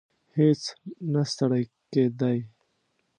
هیڅ نه ستړی کېدی.